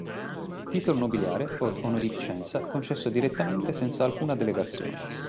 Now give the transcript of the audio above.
Titolo nobiliare, od onorificenza, concesso direttamente, senza alcuna delegazione.